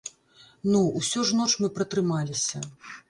Ну, усё ж ноч мы пратрымаліся.